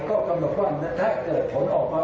ก็กำหนดว่าถ้าเกิดผลออกมา